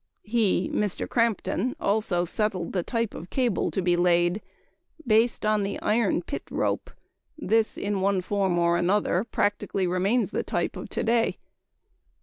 He (Mr. Crampton) also settled the type of cable to be laid based on the iron pit rope; this, in one form or another, practically remains the type of to day.